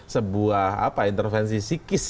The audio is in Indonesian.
sebuah intervensi psikis